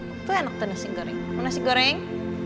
itu yang enak tuh nasi goreng mau nasi goreng